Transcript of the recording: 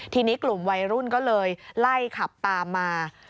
ทีนี้กลุ่มวัยรุ่นก็เลยไล่ขับตามมา